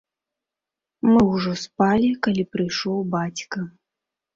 Мы ўжо спалі, калі прыйшоў бацька.